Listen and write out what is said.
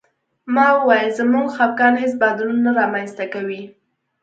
ما وویل زموږ خپګان هېڅ بدلون نه رامنځته کوي